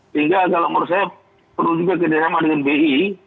sehingga kalau menurut saya perlu juga kerjasama dengan bi